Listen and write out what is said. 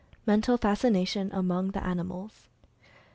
MENTAL FASCINATION AMONG THE ANI MALS.